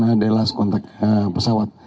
adalah sekontak pesawat